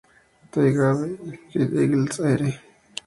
They have Giant Eagles here.